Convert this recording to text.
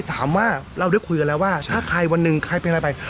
ถามว่าเราได้คุยกันแล้วว่าถ้าใครวันหนึ่งใครเป็นอะไรไป